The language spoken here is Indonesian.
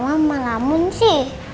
mama gak ngelamun sih